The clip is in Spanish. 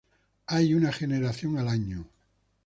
Hay una generación al año.